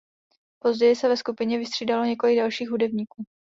Později se ve skupině vystřídalo několik dalších hudebníků.